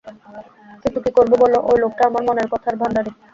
কিন্তু কী করব বলো, ঐ লোকটা আমার মনের কথার ভাণ্ডারী।